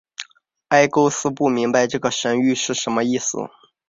埃勾斯不明白这个神谕是什么意思。